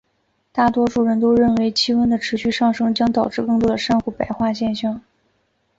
大多数人都认为气温的持续上升将导致更多的珊瑚白化现象。